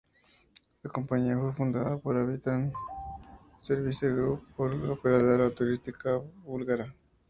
La compañía fue fundada por Aviation Service Group, una operadora turística búlgara.